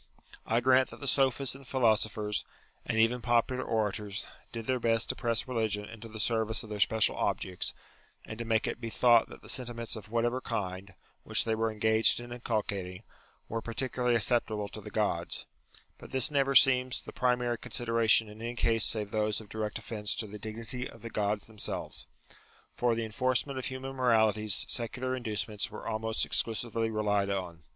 I grant that the sophists and philosophers, and even popular orators, did their best to press religion into the service of their special objects, and to make it be thought that the sentiments of whatever kind, which they were engaged in inculcating, were particularly acceptable to the Gods, but this never seems the primary con sideration in any case save those of direct offence to the dignity of the Gods themselves. For the enforcement of human moralities secular inducements were almost exclusively relied on.